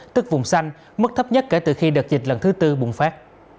tức vùng xanh mức thấp nhất kể từ khi đợt dịch lần thứ tư bùng phát